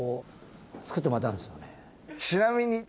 ちなみに。